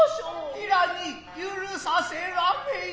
平に許させられい。